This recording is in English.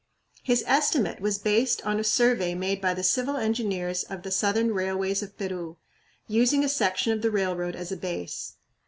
His estimate was based on a survey made by the civil engineers of the Southern Railways of Peru, using a section of the railroad as a base.